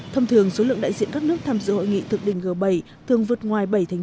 thông thường số lượng đại diện các nước tham dự hội nghị thượng đỉnh g bảy thường vượt ngoài bảy thành